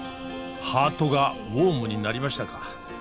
ハートがウオームになりましたか。